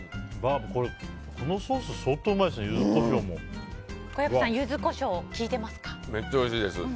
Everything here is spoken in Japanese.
このソース、相当うまいですね。